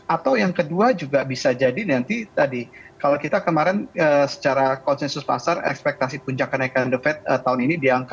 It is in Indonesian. atau yang kedua juga bisa jadi nanti tadi kalau kita kemarin secara konsensus pasar ekspektasi puncak kenaikan devet tahun ini di angka lima dua puluh lima lima lima